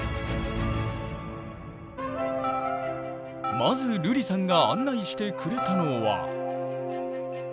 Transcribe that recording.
まず瑠璃さんが案内してくれたのは。